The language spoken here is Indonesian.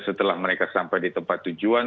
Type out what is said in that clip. setelah mereka sampai di tempat tujuan